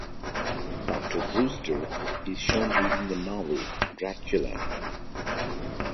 Doctor Brewster is shown reading the novel "Dracula".